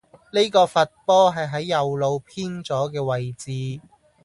呢個罰波係喺右路偏左既位置